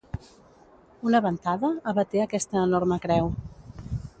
Una ventada abaté aquesta enorme creu.